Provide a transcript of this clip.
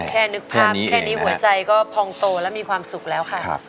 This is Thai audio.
นึกภาพแค่นี้หัวใจก็พองโตและมีความสุขแล้วค่ะ